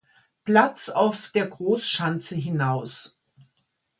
Platz auf der Großschanze hinaus.